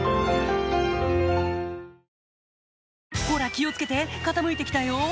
ほら気を付けて傾いて来たよ？